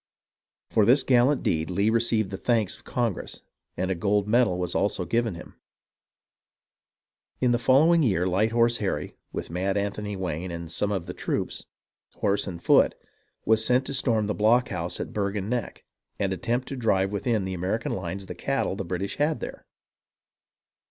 For this gal lant deed Lee received the thanks of Congress, and a gold medal was also given him. In the following year Light Horse Harry, with Mad Anthony Wayne and some of the troops, horse and foot, was sent to storm the blockhouse at Bergen Neck, and attempt to drive within the American lines the cattle the British had there.